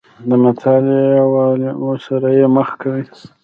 له متعالي عوالمو سره یې مخ کوي.